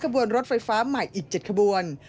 บนรถไฟฟ้าใหม่อีก๗ขบวน